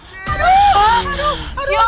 aduh aduh aduh